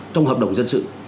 trong hợp đồng dân sự